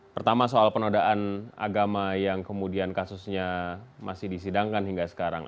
pertama soal penodaan agama yang kemudian kasusnya masih disidangkan hingga sekarang